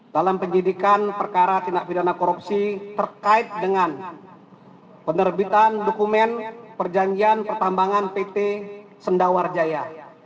dalam penyidikan perkara tindak pidana korupsi terkait dengan penerbitan dokumen perjanjian pertambangan pt sendawarjaya